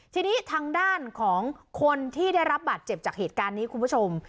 ทีนี้ทางด้านของคนที่ได้รับบาดเจ็บจากเหตุการณ์นี้คุณผู้ชม